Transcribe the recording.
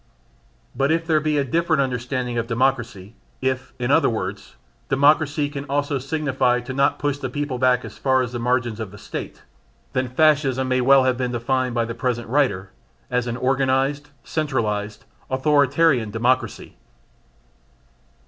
But if there be a different understanding of Democracy if, in other words, Democracy can also signify to not push the people back as far as the margins of the State, then Fascism may well have been defined by the present writer as "an organised, centralised, authoritarian Democracy."